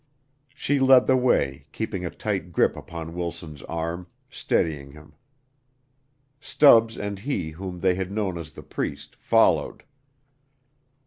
She led the way, keeping a tight grip upon Wilson's arm, steadying him. Stubbs and he whom they had known as the Priest followed.